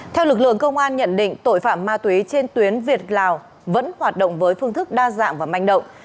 theo lực lượng công an nhận định tội phạm ma túy trên tuyến việt lào vẫn hoạt động với phương thức đa dạng và manh động